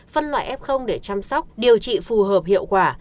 phân loại f để chăm sóc điều trị phù hợp hiệu quả